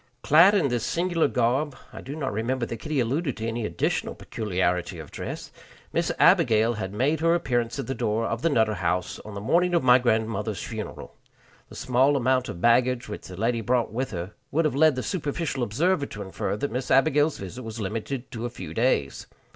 Clad in this singular garb I do not remember that Kitty alluded to any additional peculiarity of dress Miss Abigail had made her appearance at the door of the Nutter House on the morning of my grandmother's funeral. The small amount of baggage which the lady brought with her would have led the superficial observer to infer that Miss Abigail's visit was limited to a few days.